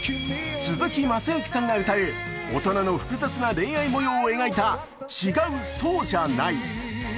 鈴木雅之さんが歌う大人の複雑な恋愛模様を描いた「違う、そうじゃない」。